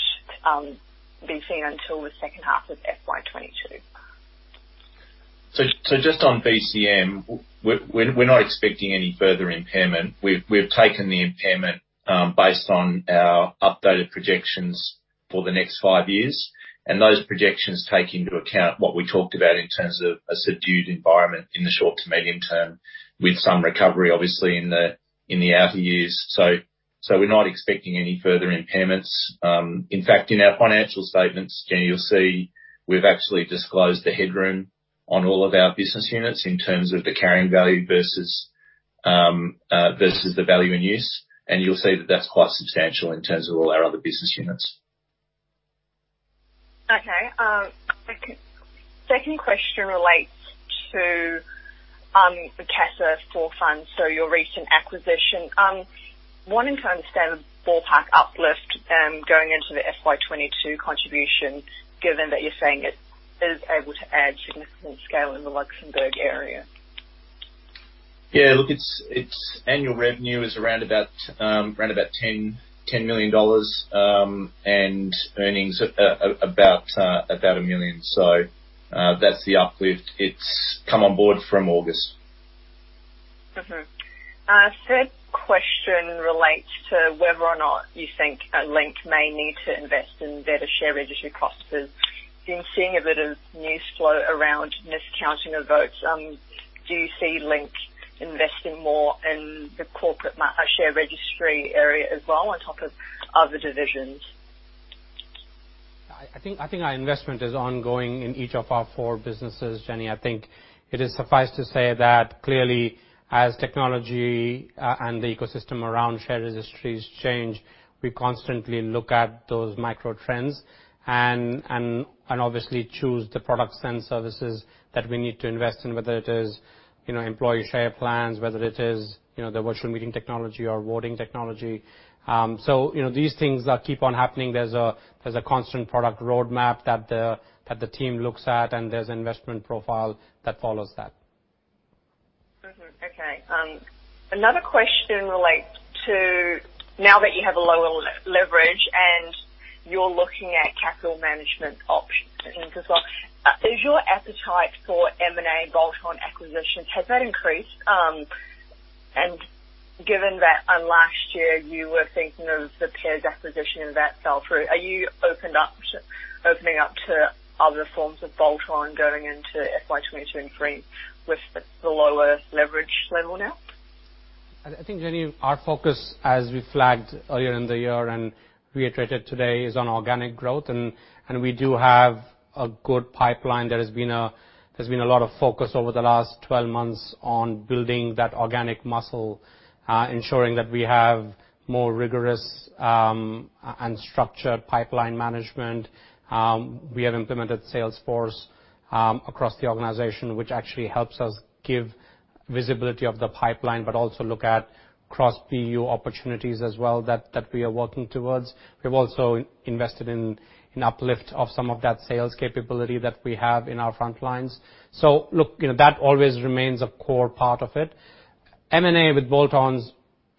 be seen until the second half of FY 2022? Just on BCM, we're not expecting any further impairment. We've taken the impairment based on our updated projections for the next five years, and those projections take into account what we talked about in terms of a subdued environment in the short to medium term, with some recovery, obviously, in the outer years. We're not expecting any further impairments. In fact, in our financial statements, Jenny, you'll see we've actually disclosed the headroom on all of our business units in terms of the carrying value versus the value in use, and you'll see that that's quite substantial in terms of all our other business units. Okay. Second question relates to the Casa4Funds, so your recent acquisition, wanting to understand the ballpark uplift going into the FY 2022 contribution, given that you're saying it is able to add significant scale in the Luxembourg area. Look, its annual revenue is around 10 million dollars, and earnings about 1 million. That's the uplift. It's come on Board from August. Third question relates to whether or not you think Link may need to invest in better share registry costs, because been seeing a bit of news flow around miscounting of votes. Do you see Link investing more in the corporate share registry area as well on top of other divisions? I think our investment is ongoing in each of our four businesses, Jenny. I think it is suffice to say that clearly, as technology and the ecosystem around share registries change, we constantly look at those micro trends and obviously choose the products and services that we need to invest in, whether it is employee share plans, whether it is the virtual meeting technology or voting technology. These things that keep on happening, there's a constant product roadmap that the team looks at, and there's investment profile that follows that. Okay. Another question relates to now that you have a lower leverage and you're looking at capital management options as well. Is your appetite for M&A bolt-on acquisitions, has that increased? Given that last year you were thinking of the Pepper acquisition and that fell through, are you opening up to other forms of bolt-on going into FY 2022 and 2023 with the lower leverage level now? Jenny, our focus as we flagged earlier in the year and reiterated today, is on organic growth. We do have a good pipeline. There's been a lot of focus over the last 12 months on building that organic muscle, ensuring that we have more rigorous and structured pipeline management. We have implemented Salesforce across the organization, which actually helps us give visibility of the pipeline, but also look at cross BU opportunities as well that we are working towards. We've also invested in an uplift of some of that sales capability that we have in our front lines. Look, that always remains a core part of it. M&A with bolt-ons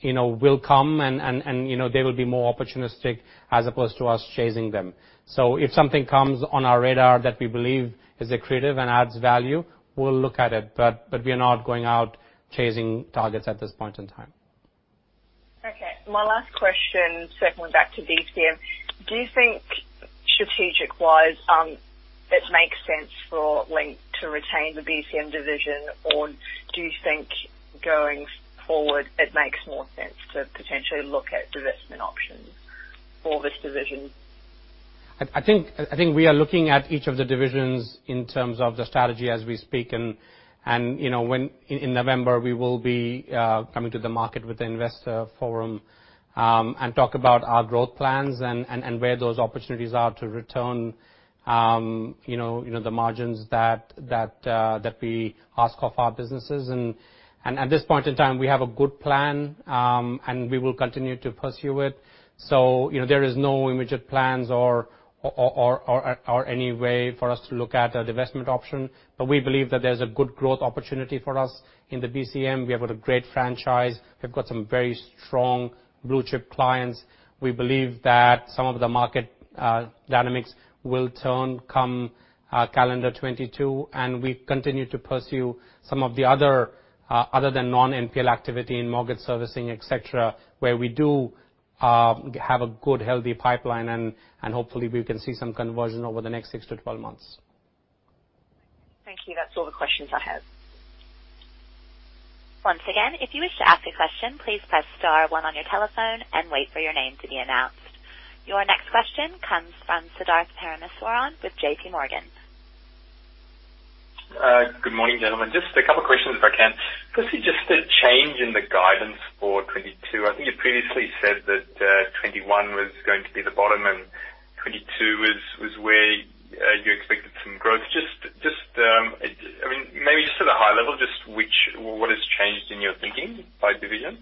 will come and they will be more opportunistic as opposed to us chasing them. If something comes on our radar that we believe is accretive and adds value, we'll look at it, but we are not going out chasing targets at this point in time. Okay. My last question circling back to BCM. Do you think strategic-wise, it makes sense for Link to retain the BCM division or do you think going forward it makes more sense to potentially look at divestment options for this division? I think we are looking at each of the divisions in terms of the strategy as we speak. In November, we will be coming to the market with the investor forum and talk about our growth plans and where those opportunities are to return the margins that we ask of our businesses. At this point in time, we have a good plan. We will continue to pursue it. There is no immediate plans or any way for us to look at a divestment option. We believe that there's a good growth opportunity for us in the BCM. We have got a great franchise. We've got some very strong blue chip clients. We believe that some of the market dynamics will turn come calendar 2022. We continue to pursue some of the other than non-NPL activity in mortgage servicing, et cetera, where we do have a good, healthy pipeline, and hopefully we can see some conversion over the next six to 12 months. Thank you. That's all the questions I have. Once again, if you wish to ask a question, please press star one on your telephone and wait for your name to be announced. Your next question comes from Siddharth Parameswaran with JPMorgan. Good morning, gentlemen. Just a couple questions if I can. Firstly, just the change in the guidance for 2022. I think you previously said that 2021 was going to be the bottom and 2022 was where you expected some growth. Maybe just at a high level, just what has changed in your thinking by division?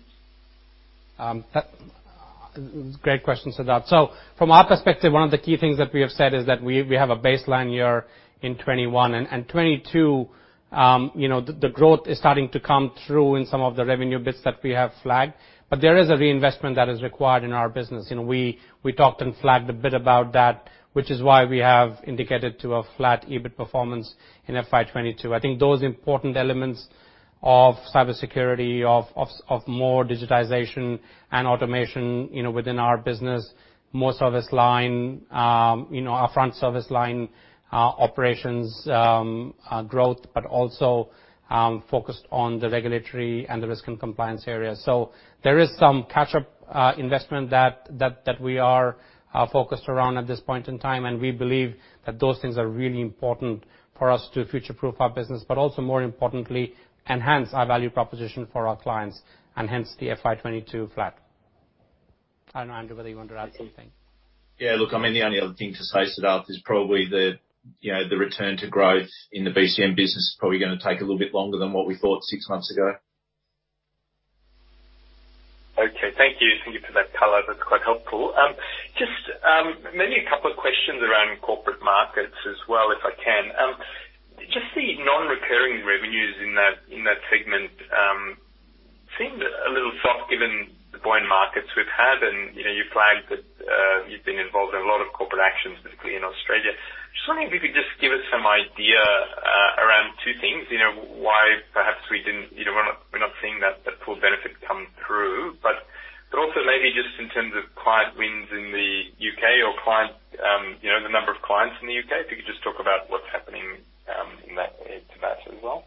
Great question, Siddharth. From our perspective, one of the key things that we have said is that we have a baseline year in 2021. 2022, the growth is starting to come through in some of the revenue bits that we have flagged. There is a reinvestment that is required in our business. We talked and flagged a bit about that, which is why we have indicated to a flat EBIT performance in FY 2022. I think those important elements of cybersecurity, of more digitization and automation within our business, more service line, our front service line operations growth, but also focused around the regulatory and the risk and compliance area. There is some catch-up investment that we are focused around at this point in time. We believe that those things are really important for us to future-proof our business. Also more importantly, enhance our value proposition for our clients, and hence the FY 2022 flat. I don't know, Andrew, whether you want to add something. Yeah. Look, I mean, the only other thing to say, Siddharth, is probably the return to growth in the BCM business is probably going to take a little bit longer than what we thought six months ago. Okay. Thank you. Thank you for that color. That's quite helpful. Just maybe a couple of questions around Corporate Markets as well, if I can. Just the non-recurring revenues in that segment seemed a little soft given the buoyant markets we've had. You flagged that you've been involved in a lot of corporate actions, particularly in Australia. Just wondering if you could just give us some idea around two things. Why perhaps we're not seeing that full benefit come through, but also maybe just in terms of client wins in the U.K. or the number of clients in the U.K. If you could just talk about what's happening in that space as well.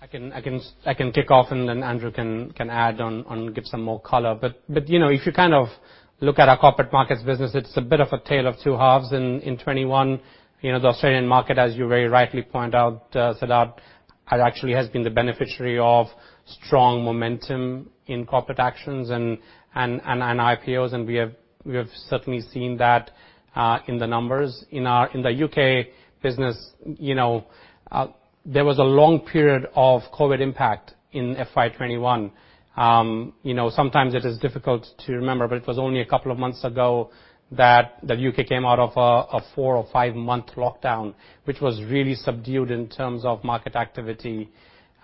I can kick off and then Andrew can add on and give some more color. If you look at our Corporate Markets business, it's a bit of a tale of two halves. In 2021, the Australian market, as you very rightly point out, Siddharth. It actually has been the beneficiary of strong momentum in corporate actions and IPOs, and we have certainly seen that in the numbers. In the U.K. business, there was a long period of COVID impact in FY 2021. Sometimes it is difficult to remember, but it was only a couple of months ago that the U.K. came out of a four or five-month lockdown, which was really subdued in terms of market activity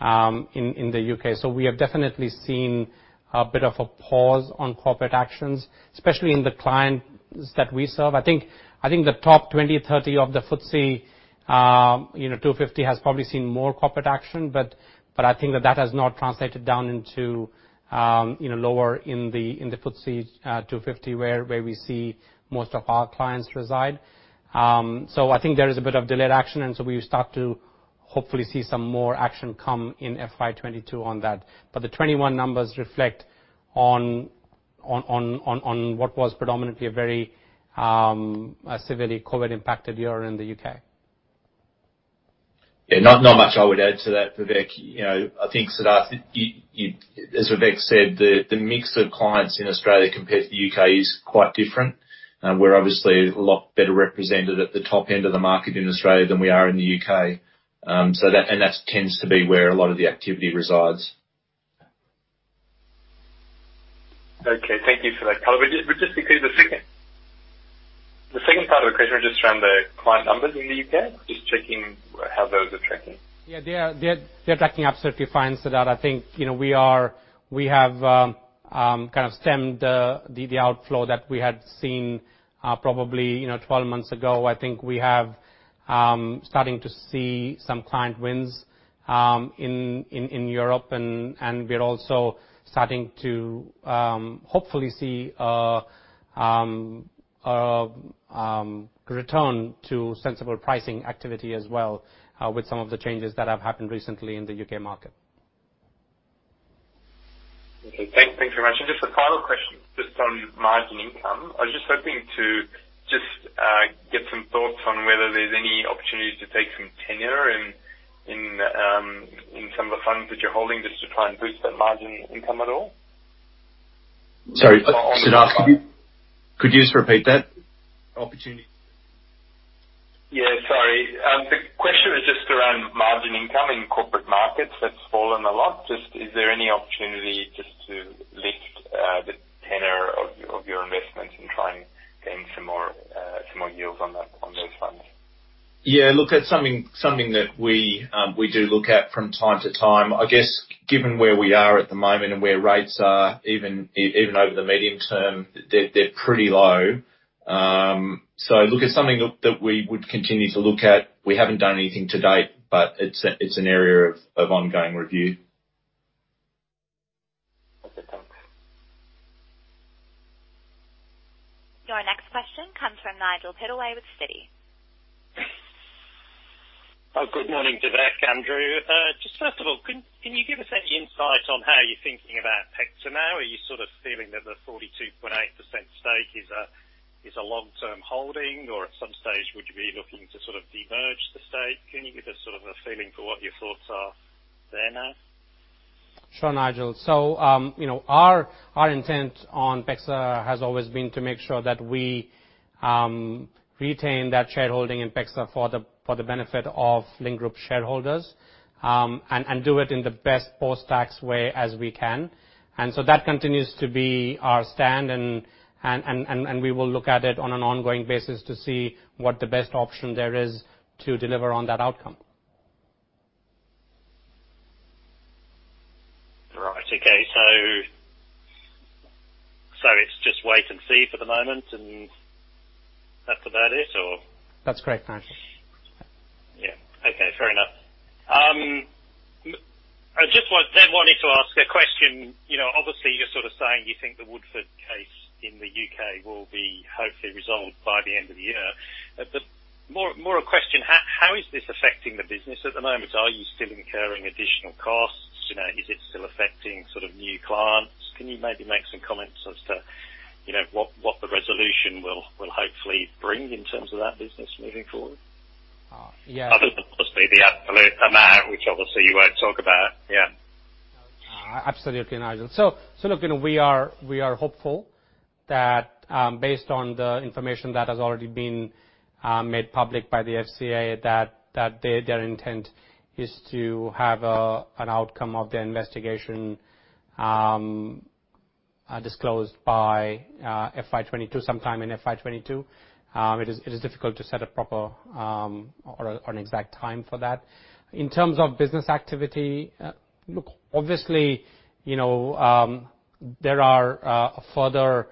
in the U.K. We have definitely seen a bit of a pause on corporate actions, especially in the clients that we serve. I think the top 20, 30 of the FTSE 250 has probably seen more corporate action. I think that that has not translated down into lower in the FTSE 250, where we see most of our clients reside. I think there is a bit of delayed action, and so we start to hopefully see some more action come in FY 2022 on that. The 2021 numbers reflect on what was predominantly a very severely COVID-impacted year in the U.K. Yeah, not much I would add to that, Vivek. I think, Siddharth, as Vivek said, the mix of clients in Australia compared to the U.K. is quite different. We're obviously a lot better represented at the top end of the market in Australia than we are in the U.K. That tends to be where a lot of the activity resides. Okay. Thank you for that color. Just because the second part of the question was just around the client numbers in the U.K., just checking how those are tracking. Yeah, they are tracking absolutely fine, Siddharth. I think we have kind of stemmed the outflow that we had seen probably 12 months ago. I think we are starting to see some client wins in Europe, we are also starting to hopefully see a return to sensible pricing activity as well, with some of the changes that have happened recently in the U.K. market. Okay. Thanks very much. Just a final question, just on margin income. I was just hoping to just get some thoughts on whether there's any opportunities to take some tenor in some of the funds that you're holding, just to try and boost that margin income at all. Sorry, Siddharth, could you just repeat that opportunity? Yeah, sorry. The question is just around margin income in Corporate Markets. That's fallen a lot. Just is there any opportunity just to lift the tenor of your investments and try and gain some more yields on those funds? Look, that's something that we do look at from time to time. I guess, given where we are at the moment and where rates are, even over the medium term, they're pretty low. Look, it's something that we would continue to look at. We haven't done anything to date, but it's an area of ongoing review. Okay, thanks. Your next question comes from Nigel Pittaway with Citi. Oh, good morning, Vivek, Andrew. Just first of all, can you give us any insight on how you're thinking about PEXA now? Are you sort of feeling that the 42.8% stake is a long-term holding, or at some stage, would you be looking to sort of demerge the stake? Can you give us sort of a feeling for what your thoughts are there now? Sure, Nigel. Our intent on PEXA has always been to make sure that we retain that shareholding in PEXA for the benefit of Link Group shareholders, and do it in the best post-tax way as we can. That continues to be our stand, and we will look at it on an ongoing basis to see what the best option there is to deliver on that outcome. Right. Okay. It's just wait and see for the moment, and that's about it, or? That's correct, Nigel. Yeah. Okay, fair enough. I just wanted to ask a question. Obviously, you're sort of saying you think the Woodford case in the U.K. will be hopefully resolved by the end of the year. More a question, how is this affecting the business at the moment? Are you still incurring additional costs? Is it still affecting new clients? Can you maybe make some comments as to what the resolution will hopefully bring in terms of that business moving forward? Yeah. Other than, obviously, the absolute amount, which obviously you won't talk about. Yeah. Absolutely, Nigel. Look, we are hopeful that based on the information that has already been made public by the FCA, that their intent is to have an outcome of their investigation disclosed by FY 2022, sometime in FY 2022. It is difficult to set a proper or an exact time for that. In terms of business activity, look, obviously, there are further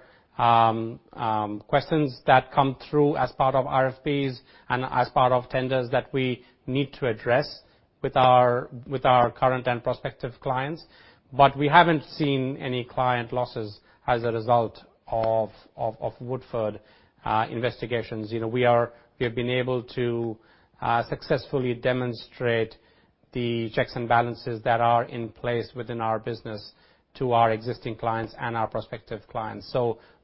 questions that come through as part of RFPs and as part of tenders that we need to address with our current and prospective clients. We haven't seen any client losses as a result of Woodford investigations. We have been able to successfully demonstrate the checks and balances that are in place within our business to our existing clients and our prospective clients.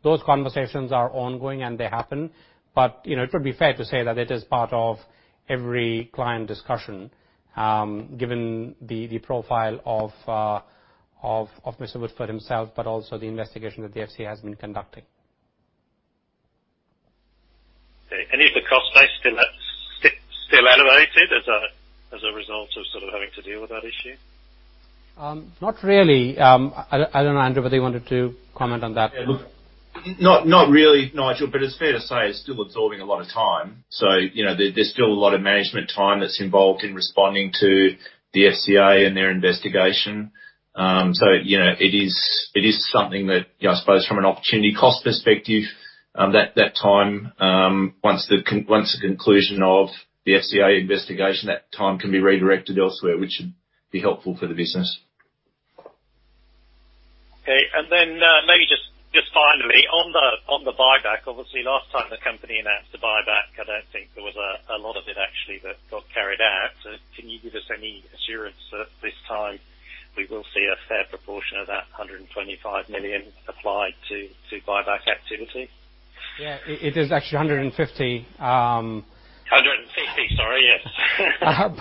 Those conversations are ongoing, and they happen. It would be fair to say that it is part of every client discussion, given the profile of Mr. Woodford himself, but also the investigation that the FCA has been conducting. Okay. Any of the cost base in that still elevated as a result of having to deal with that issue? Not really. I don't know, Andrew, whether you wanted to comment on that. Not really, Nigel. It's fair to say it's still absorbing a lot of time. There's still a lot of management time that's involved in responding to the FCA and their investigation. It is something that, I suppose from an opportunity cost perspective, that time, once the conclusion of the FCA investigation, that time can be redirected elsewhere, which should be helpful for the business. Okay. Maybe just finally, on the buyback. Obviously, last time the company announced a buyback, I don't think there was a lot of it actually that got carried out. Can you give us any assurance that this time we will see a fair proportion of that 125 million applied to buyback activity? Yeah. It is actually 150. 150, sorry. Yes.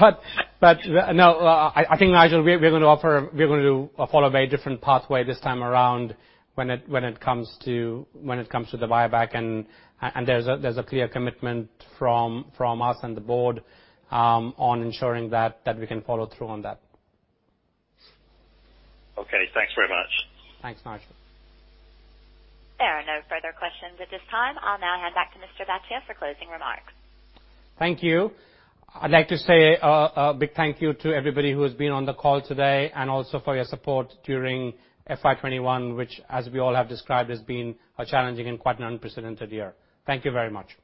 No, I think, Nigel, we're going to follow a very different pathway this time around when it comes to the buyback. There's a clear commitment from us and the board, on ensuring that we can follow through on that. Okay. Thanks very much. Thanks, Nigel. There are no further questions at this time. I'll now hand back to Mr. Bhatia for closing remarks. Thank you. I'd like to say a big thank you to everybody who has been on the call today, and also for your support during FY 2021, which as we all have described, has been a challenging and quite an unprecedented year. Thank you very much.